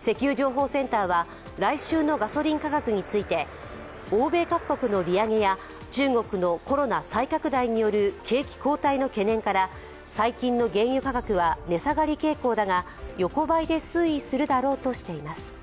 石油情報センターは、来週のガソリン価格について欧米各国の利上げや中国のコロナ再拡大による景気後退の懸念から、最近の原油価格は値下がり傾向だが横ばいで推移するだろうとしています。